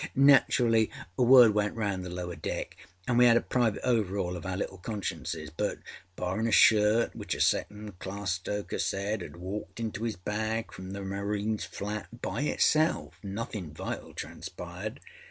Naturally, word went round the lower deck anâ we had a private overâaul of our little consciences. But, barrinâ a shirt which a second class stoker said âad walked into âis bag from the marines flat by itself, nothinâ vital transpired.